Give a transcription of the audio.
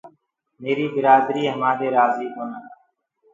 ميري برآدآر همآدي رآجي ڪونآ۔